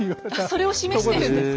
それを示してるんですか？